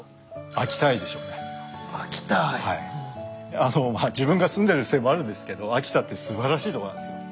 あのまあ自分が住んでるせいもあるんですけど秋田ってすばらしいとこなんですよ。